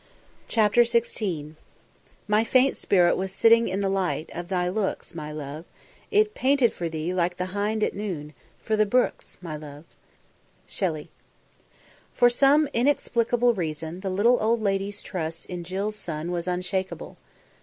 CHAPTER XVI "_My faint spirit was sitting in the light Of thy looks, my love; It panted for thee like the hind at noon For the brooks, my love_." SHELLEY. For some inexplicable reason, the little old lady's trust in Jill's son was unshakable.